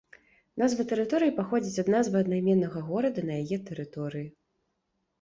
Назва тэрыторыі паходзіць ад назвы аднайменнага горада на яе тэрыторыі.